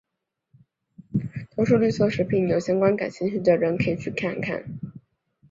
都是绿色食品有相关感兴趣的人可以去看看。